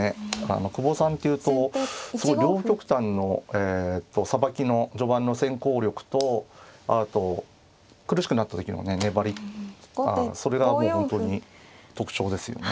久保さんっていうと両極端のえとさばきの序盤の先攻力とあと苦しくなった時の粘りそれがもう本当に特徴ですよね。